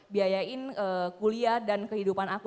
biayain kuliah dan kehidupan aku